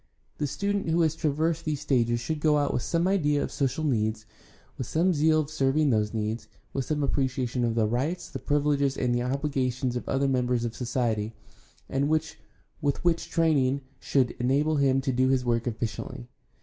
The student who has traversed these stages should go out with some idea of social needs, with some zeal for .serving those needs, with some appreciation of the rights, the privileges, and the obligations of other members of society, and with training which should enable him to do his work efficiently.